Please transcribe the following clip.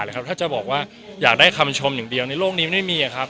ถ้าจะบอกว่าอยากได้คำชมอย่างเดียวในโลกนี้ไม่มีครับ